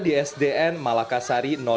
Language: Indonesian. di sdn malakasari lima